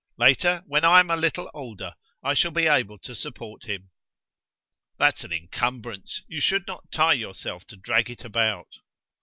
Later, when I am a little older, I shall be able to support him." "That's an encumbrance; you should not tie yourself to drag it about.